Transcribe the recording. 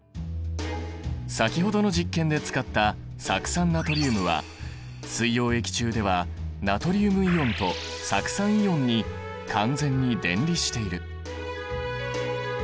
先ほどの実験で使った酢酸ナトリウムは水溶液中ではナトリウムイオンと酢酸イオンに完全に電離している。